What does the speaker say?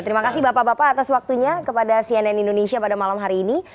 terima kasih bapak bapak atas waktunya kepada cnn indonesia pada malam hari ini